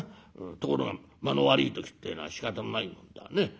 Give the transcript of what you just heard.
ところが間の悪い時ってえのはしかたのないもんだね。